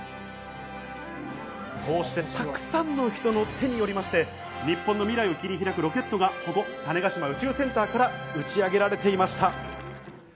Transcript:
こうして、たくさんの人の手によりまして、日本の未来を切り開くロケットがここ、種子島宇宙センターから打ち上げられていました。